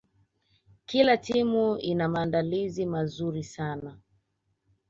kila timu ina maandalizi mazuri sana